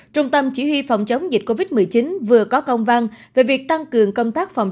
trung tâm chỉ huy phòng chống dịch covid một mươi chín vừa có công văn về việc tăng cường công tác phòng